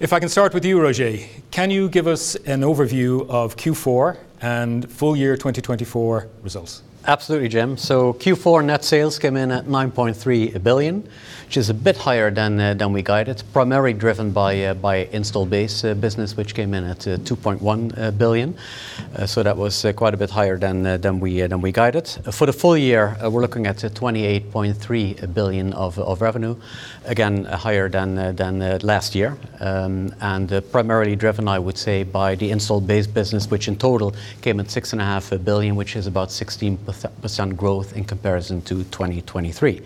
If I can start with you, Roger, can you give us an overview of Q4 and full year 2024 results? Absolutely, Jim. So Q4 net sales came in at 9.3 billion, which is a bit higher than we guided. It's primarily driven by Installed Base business, which came in at 2.1 billion. So that was quite a bit higher than we guided. For the full year, we're looking at 28.3 billion of revenue, again higher than last year, and primarily driven, I would say, by the Installed Base business, which in total came in at 6.5 billion, which is about 16% growth in comparison to 2023.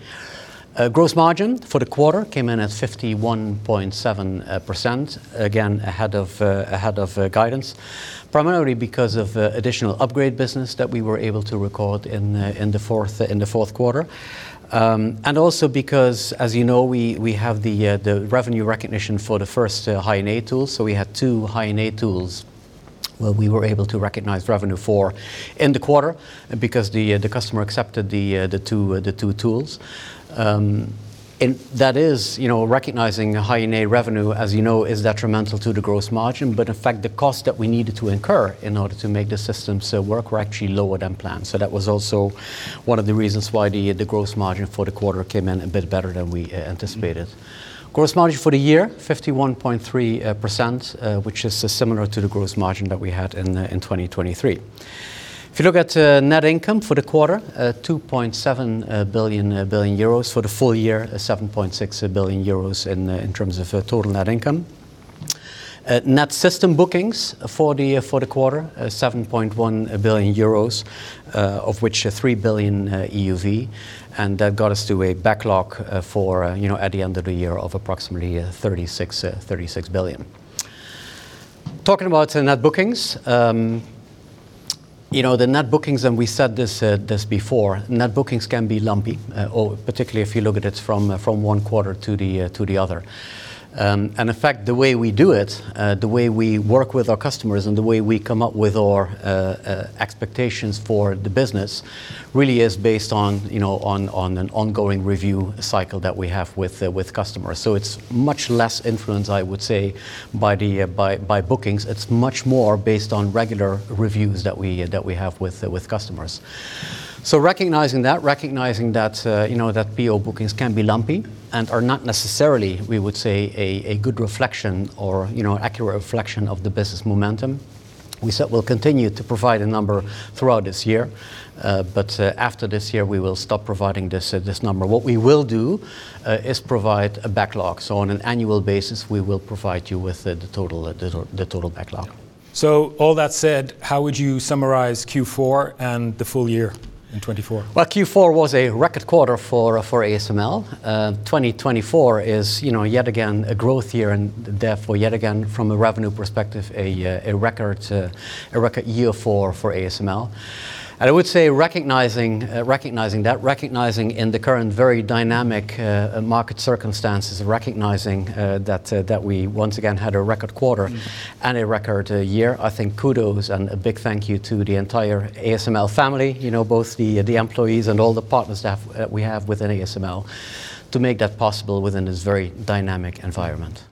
Gross margin for the quarter came in at 51.7%, again ahead of guidance, primarily because of additional upgrade business that we were able to record in the fourth quarter. And also because, as you know, we have the revenue recognition for the first High NA tools. We had two High NA tools where we were able to recognize revenue for in the quarter because the customer accepted the two tools. That is, recognizing High NA revenue, as you know, is detrimental to the gross margin, but in fact, the cost that we needed to incur in order to make the systems work were actually lower than planned. That was also one of the reasons why the gross margin for the quarter came in a bit better than we anticipated. Gross margin for the year, 51.3%, which is similar to the gross margin that we had in 2023. If you look at net income for the quarter, 2.7 billion euros. For the full year, 7.6 billion euros in terms of total net income. Net system bookings for the quarter, 7.1 billion euros, of which 3 billion EUV, and that got us to a backlog at the end of the year of approximately 36 billion. Talking about net bookings, the net bookings, and we said this before, net bookings can be lumpy, particularly if you look at it from one quarter to the other. In fact, the way we do it, the way we work with our customers, and the way we come up with our expectations for the business really is based on an ongoing review cycle that we have with customers. So it's much less influenced, I would say, by bookings. It's much more based on regular reviews that we have with customers. Recognizing that, recognizing that PO bookings can be lumpy and are not necessarily, we would say, a good reflection or accurate reflection of the business momentum, we said we'll continue to provide a number throughout this year, but after this year, we will stop providing this number. What we will do is provide a backlog. So on an annual basis, we will provide you with the total backlog. So all that said, how would you summarize Q4 and the full year in 2024? Q4 was a record quarter for ASML. 2024 is yet again a growth year and therefore, yet again, from a revenue perspective, a record year for ASML. I would say recognizing that, recognizing in the current very dynamic market circumstances, recognizing that we once again had a record quarter and a record year, I think kudos and a big thank you to the entire ASML family. Both the employees and all the partners that we have within ASML, to make that possible within this very dynamic environment.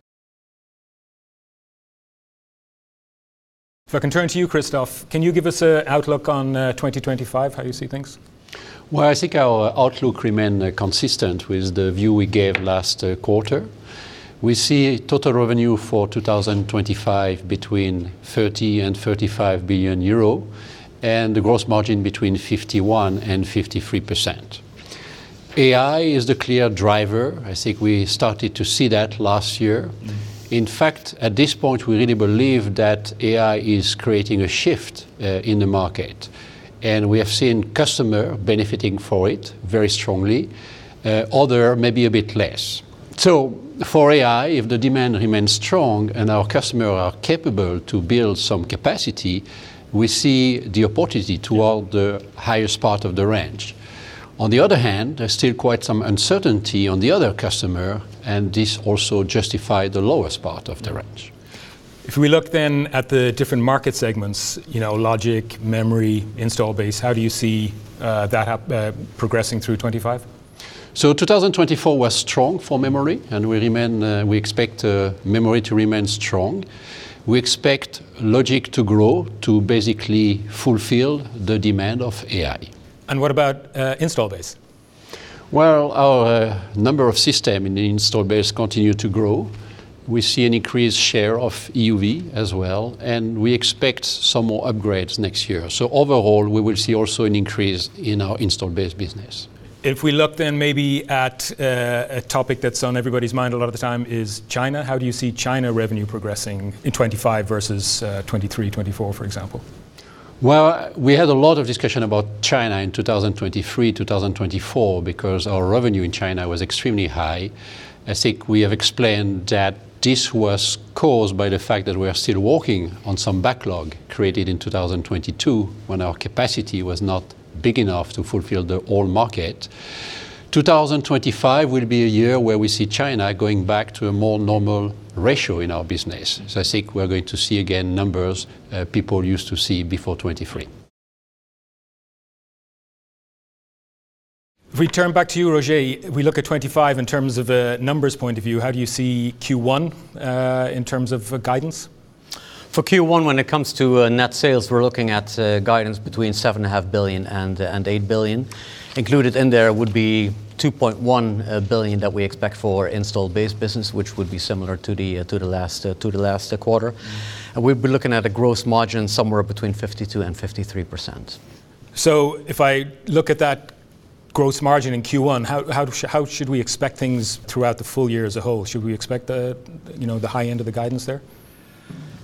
If I can turn to you, Christophe, can you give us an outlook on 2025, how you see things? I think our outlook remained consistent with the view we gave last quarter. We see total revenue for 2025 between 30 billion and 35 billion euro and the gross margin between 51% and 53%. AI is the clear driver. I think we started to see that last year. In fact, at this point, we really believe that AI is creating a shift in the market, and we have seen customers benefiting from it very strongly. Others, maybe a bit less. So for AI, if the demand remains strong and our customers are capable to build some capacity, we see the opportunity toward the highest part of the range. On the other hand, there's still quite some uncertainty on the other customers, and this also justifies the lowest part of the range. If we look then at the different market segments, Logic, Memory, Installed Base, how do you see that progressing through 2025? So 2024 was strong for Memory, and we expect Memory to remain strong. We expect Logic to grow to basically fulfill the demand of AI. What about Installed Base? Our number of systems in Installed Base continues to grow. We see an increased share of EUV as well, and we expect some more upgrades next year. Overall, we will see also an increase in our Installed Base business. If we look then maybe at a topic that's on everybody's mind a lot of the time, is China. How do you see China revenue progressing in 2025 versus 2023-2024, for example? We had a lot of discussion about China in 2023-2024, because our revenue in China was extremely high. I think we have explained that this was caused by the fact that we are still working on some backlog created in 2022 when our capacity was not big enough to fulfill the whole market. 2025 will be a year where we see China going back to a more normal ratio in our business. I think we're going to see again numbers people used to see before 2023. If we turn back to you, Roger, we look at 2025 in terms of a numbers point of view, how do you see Q1 in terms of guidance? For Q1, when it comes to net sales, we're looking at guidance between 7.5 billion and 8 billion. Included in there would be 2.1 billion that we expect for Installed Base business, which would be similar to the last quarter. And we've been looking at a gross margin somewhere between 52 and 53%. So if I look at that gross margin in Q1, how should we expect things throughout the full year as a whole? Should we expect the high end of the guidance there?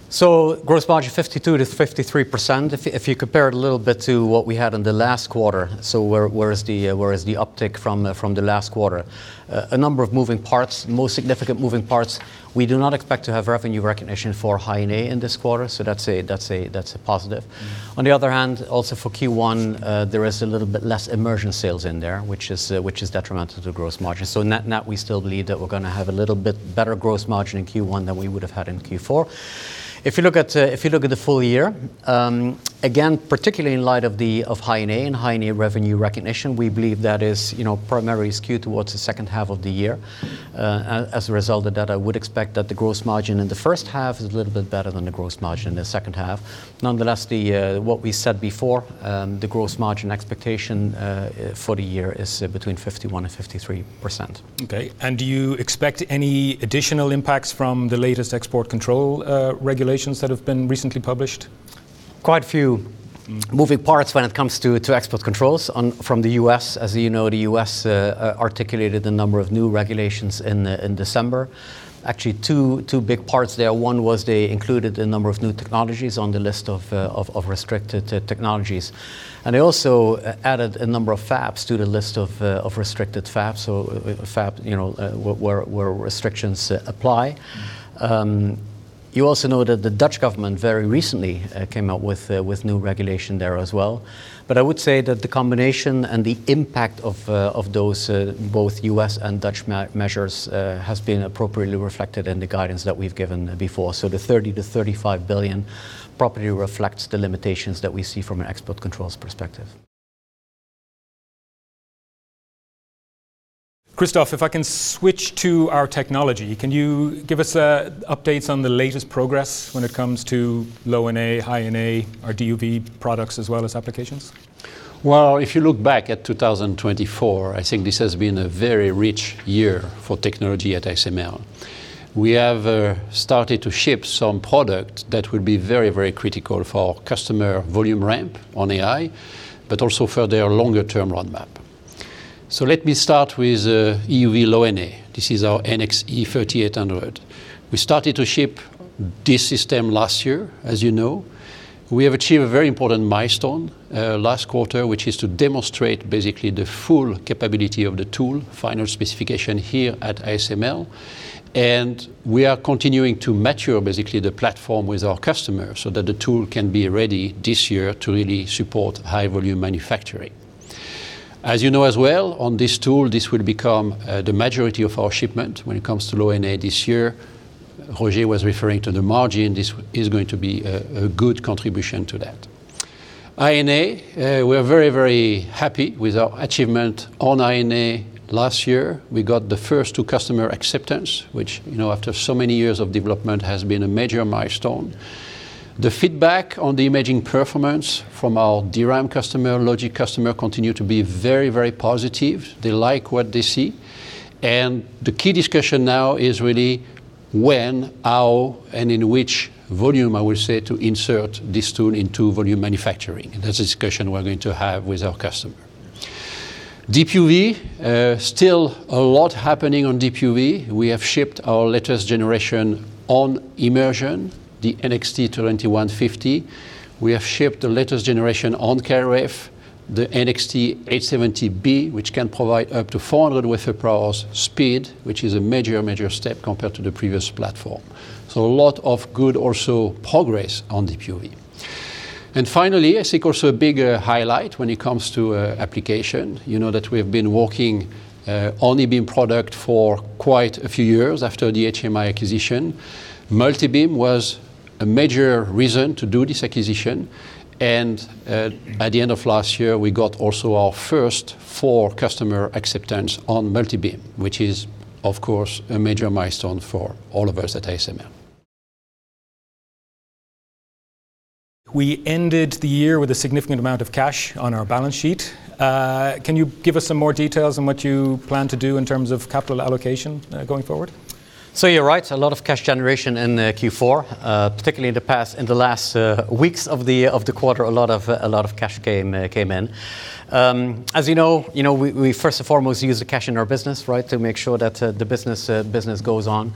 So gross margin 52%-53%, if you compare it a little bit to what we had in the last quarter, so where is the uptick from the last quarter? A number of moving parts, most significant moving parts, we do not expect to have revenue recognition for High NA in this quarter, so that's a positive. On the other hand, also for Q1, there is a little bit less immersion sales in there, which is detrimental to gross margin. So net net, we still believe that we're going to have a little bit better gross margin in Q1 than we would have had in Q4. If you look at the full year, again, particularly in light of High NA and High NA revenue recognition, we believe that is primarily skewed towards the second half of the year. As a result of that, I would expect that the gross margin in the first half is a little bit better than the gross margin in the second half. Nonetheless, what we said before, the gross margin expectation for the year is between 51% and 53%. Okay. And do you expect any additional impacts from the latest export control regulations that have been recently published? Quite a few moving parts when it comes to export controls from the U.S. As you know, the U.S. articulated a number of new regulations in December. Actually, two big parts there. One was they included a number of new technologies on the list of restricted technologies. And they also added a number of fabs to the list of restricted fabs, so where restrictions apply. You also know that the Dutch government very recently came out with new regulation there as well. But I would say that the combination and the impact of those both U.S. and Dutch measures has been appropriately reflected in the guidance that we've given before. So the 30 billion-35 billion probably reflects the limitations that we see from an export controls perspective. Christophe, if I can switch to our technology, can you give us updates on the latest progress when it comes to Low NA, High NA, our DUV products as well as applications? If you look back at 2024, I think this has been a very rich year for technology at ASML. We have started to ship some products that would be very, very critical for customer volume ramp on AI, but also for their longer-term roadmap. So let me start with EUV Low NA. This is our NXE:3800E. We started to ship this system last year, as you know. We have achieved a very important milestone last quarter, which is to demonstrate basically the full capability of the tool, final specification here at ASML. And we are continuing to mature basically the platform with our customers so that the tool can be ready this year to really support high-volume manufacturing. As you know as well, on this tool, this will become the majority of our shipment when it comes to Low NA this year. Roger was referring to the margin. This is going to be a good contribution to that. High NA, we are very, very happy with our achievement on High NA last year. We got the first two customer acceptance, which after so many years of development has been a major milestone. The feedback on the imaging performance from our DRAM customer, Logic customer continue to be very, very positive. They like what they see. And the key discussion now is really when, how, and in which volume I will say to insert this tool into volume manufacturing. That's the discussion we're going to have with our customer. DUV, still a lot happening on DUV. We have shipped our latest generation on Immersion, the NXT:2150i. We have shipped the latest generation on KrF, the NXT:870B, which can provide up to 400WPH speed, which is a major, major step compared to the previous platform. So, a lot of good, also progress on DUV. And finally, I think also a big highlight when it comes to application. You know that we have been working on e-beam product for quite a few years after the HMI acquisition. Multi-beam was a major reason to do this acquisition. And at the end of last year, we got also our first full customer acceptance on multi-beam, which is of course a major milestone for all of us at ASML. We ended the year with a significant amount of cash on our balance sheet. Can you give us some more details on what you plan to do in terms of capital allocation going forward? You're right, a lot of cash generation in Q4, particularly in the past, in the last weeks of the quarter, a lot of cash came in. As you know, we first and foremost use the cash in our business to make sure that the business goes on.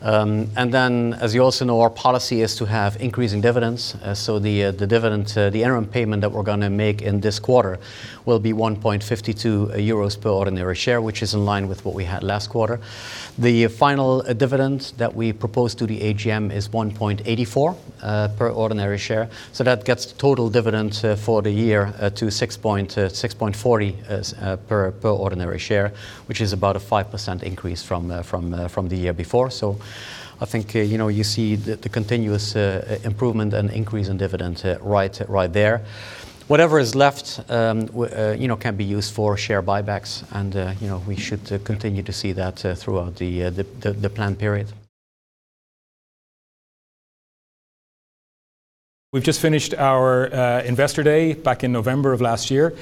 And then, as you also know, our policy is to have increasing dividends. The dividend, the interim payment that we're going to make in this quarter will be 1.52 euros per ordinary share, which is in line with what we had last quarter. The final dividend that we proposed to the AGM is 1.84 per ordinary share. That gets the total dividend for the year to 6.40 per ordinary share, which is about a 5% increase from the year before. I think you see the continuous improvement and increase in dividend right there. Whatever is left can be used for share buybacks, and we should continue to see that throughout the planned period. We've just finished our Investor Day back in November of last year.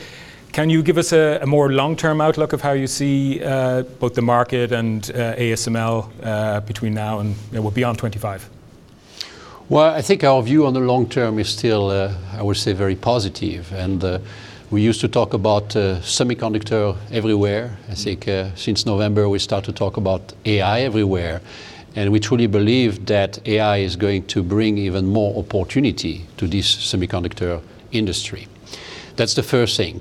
Can you give us a more long-term outlook of how you see both the market and ASML between now and beyond '25? I think our view on the long term is still, I would say, very positive. We used to talk about semiconductor everywhere. I think since November, we started to talk about AI everywhere. We truly believe that AI is going to bring even more opportunity to this semiconductor industry. That's the first thing.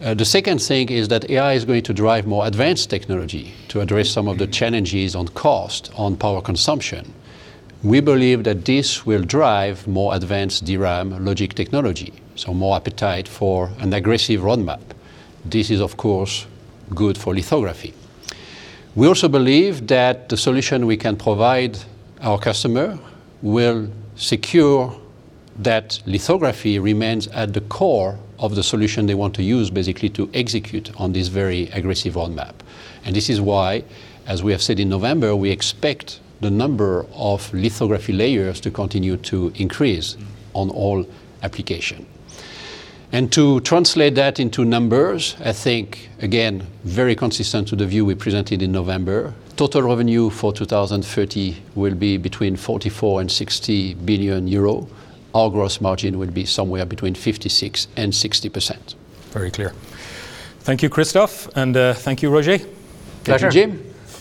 The second thing is that AI is going to drive more advanced technology to address some of the challenges on cost, on power consumption. We believe that this will drive more advanced DRAM Logic technology, so more appetite for an aggressive roadmap. This is, of course, good for lithography. We also believe that the solution we can provide our customer will secure that lithography remains at the core of the solution they want to use basically to execute on this very aggressive roadmap. This is why, as we have said in November, we expect the number of lithography layers to continue to increase on all applications. To translate that into numbers, I think, again, very consistent to the view we presented in November, total revenue for 2030 will be between 44 billion and 60 billion euro. Our gross margin will be somewhere between 56% and 60%. Very clear. Thank you, Christophe, and thank you, Roger. Thank you, Jim.